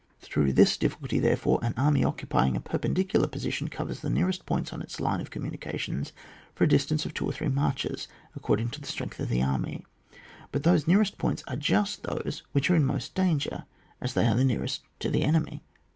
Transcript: Through this difficulty, therefore, an army occupying a perpendicular position covers the nearest points on its line of communications for a distance of two or three marches, according to the strength of the army ; but those nearest points are just those which are most in danger, as they are the nearest to the enemy.